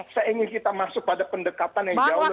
saya ingin kita masuk pada pendekatan yang jauh lebih